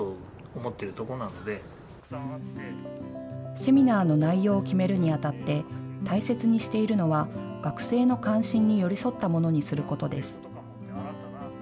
セミナーの内容を決めるにあたって大切にしているのは学生の関心に寄り添ったものにすることです。